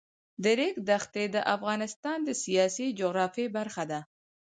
د ریګ دښتې د افغانستان د سیاسي جغرافیه برخه ده.